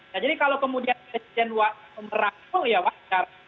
nah jadi kalau kemudian presiden merangkul ya wajar